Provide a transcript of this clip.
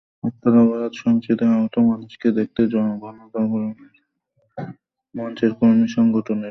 হরতাল-অবরোধে সহিংসতায় আহত মানুষকে দেখতে গণজাগরণ মঞ্চের কর্মী-সংগঠকেরা গতকাল সেখানে যান।